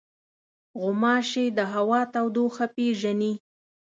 غوماشې د هوا تودوخه پېژني.